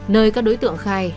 nơi các đối tượng khai